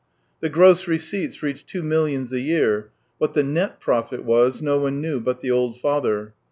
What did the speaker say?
The gross receipts reached two millions a year; what the net profit was, no one knew but the old father.